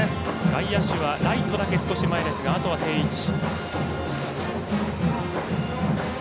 外野手はライトだけ少し前ですがあとは定位置。